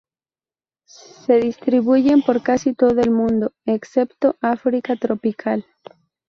Se distribuyen por casi todo el mundo, excepto África tropical.